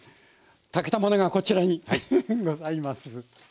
炊けたものがこちらにございます。